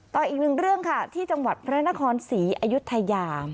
ต่ออีกหนึ่งเรื่องค่ะที่จังหวัดพระนครศรีอยุธยา